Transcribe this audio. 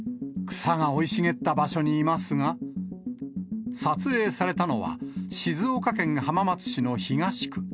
草が生い茂った場所にいますが、撮影されたのは、静岡県浜松市の東区。